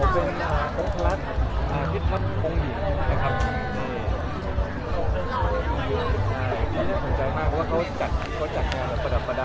บุกลับวันนี้ก็มาดูหน้าของอาทิตย์ปกครองอ่ะตัวว่าเค้าจัดงาน